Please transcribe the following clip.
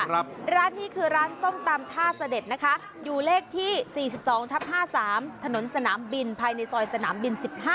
ร้านนี้คือร้านส้มตำท่าเสด็จนะคะอยู่เลขที่๔๒ทับ๕๓ถนนสนามบินภายในซอยสนามบิน๑๕